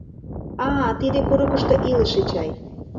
—А-а, тиде курыкышто илыше чай.